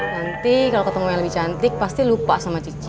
nanti kalau ketemu yang lebih cantik pasti lupa sama cici